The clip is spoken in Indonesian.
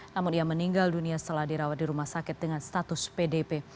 namun ia meninggal dunia setelah dirawat di rumah sakit dengan status pdp